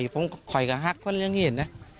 ผมคอยกับฮักก็เห็นเนี่ย